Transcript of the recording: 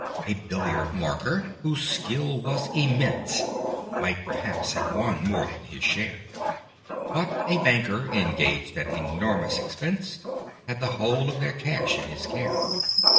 A Billiard marker, whose skill was immense, Might perhaps have won more than his share But a Banker, engaged at enormous expense, Had the whole of their cash in his care.